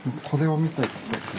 これを見て。